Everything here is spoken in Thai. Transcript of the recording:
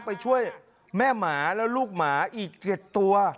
ไปช่วยแม่หมาและลูกหมาอีก๗ตัว